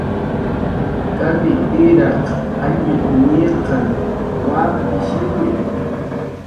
"Karritiraq jallut"" ñiqan waptishiwi"